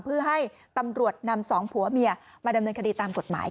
เพื่อให้ตำรวจนำสองผัวเมียมาดำเนินคดีตามกฎหมาย